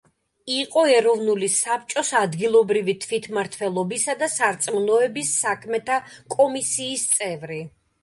იყო ეროვნული საბჭოს ადგილობრივი თვითმმართველობისა და სარწმუნოების საქმეთა კომისიის წევრი.